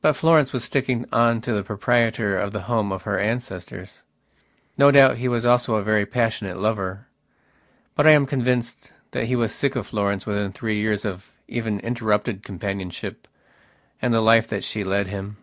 But Florence was sticking on to the proprietor of the home of her ancestors. No doubt he was also a very passionate lover. But I am convinced that he was sick of Florence within three years of even interrupted companionship and the life that she led him....